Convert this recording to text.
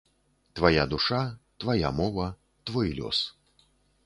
Твая душа, твая мова, твой лёс.